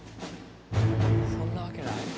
そんなわけない？